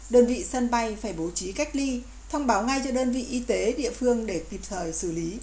đơn vị sân bay phải bố trí cách ly thông báo ngay cho đơn vị y tế địa phương để kịp thời xử lý